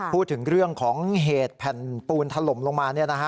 พูดถึงเรื่องของเหตุแผ่นปูนถล่มลงมา